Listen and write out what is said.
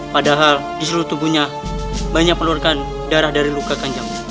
padahal di seluruh tubuhnya banyak pelurkan darah dari luka kanjang